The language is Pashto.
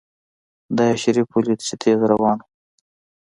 دا يې شريف وليد چې تېز روان و.